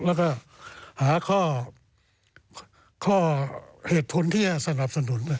แล้วก็หาข้อเหตุผลที่จะสนับสนุน